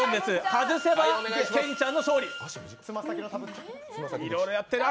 外せば健ちゃんの勝利。